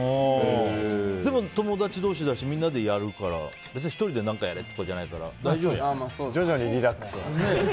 でも、友達同士だしみんなでやるから別に１人で何かやれとかじゃないから徐々にリラックスは。